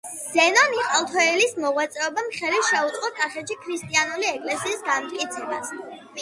ზენონ იყალთოელის მოღვაწეობამ ხელი შეუწყო კახეთში ქრისტიანული ეკლესიის განმტკიცებას.